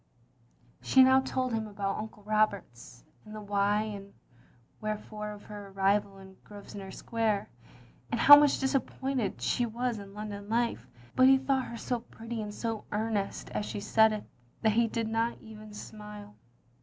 " She now told him about Uncle Roberts, and the why and wherefore of her arrival in Grosve nor Square, and how much disappointed she was in London life, but he thought her so pretty and so earnest as she said it that he did not even smile.